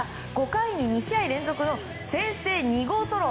５回に２試合連続の先制２号ソロ。